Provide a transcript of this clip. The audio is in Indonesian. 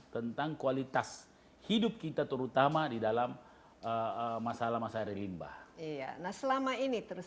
tentang kualitas hidup kita terutama di dalam masalah masalah limbah iya nah selama ini terus